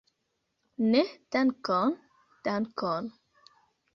Ne, dankon, dankon.